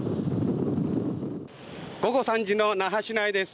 午後３時の那覇市内です。